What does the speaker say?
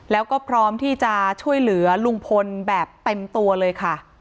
แล้วก็พร้อมที่จะช่วยเหลือลุงพลแบบเต็มตัวเลยค่ะ